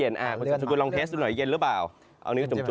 นั่นเองเสร็จ